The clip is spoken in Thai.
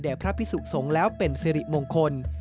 พระพิสุสงฆ์แล้วเป็นสิริมงคล